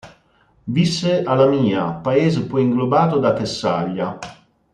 Visse a Lamia, paese poi inglobato da Tessaglia.